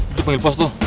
itu penggil pos tuh